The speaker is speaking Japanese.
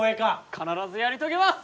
必ずやり遂げます！